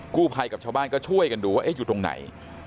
กู้ภัยกับชาวบ้านก็ช่วยกันดูว่าอยู่ตรงไหน